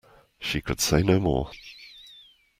She could say no more.